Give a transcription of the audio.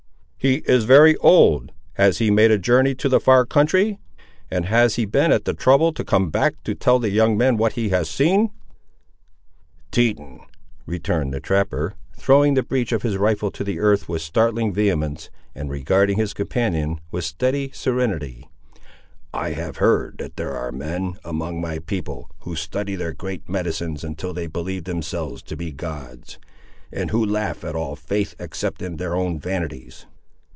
"He is very old: has he made a journey to the far country; and has he been at the trouble to come back, to tell the young men what he has seen?" "Teton," returned the trapper, throwing the breach of his rifle to the earth with startling vehemence, and regarding his companion with steady serenity, "I have heard that there are men, among my people, who study their great medicines until they believe themselves to be gods, and who laugh at all faith except in their own vanities.